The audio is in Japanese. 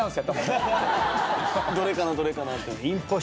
どれかなどれかなって。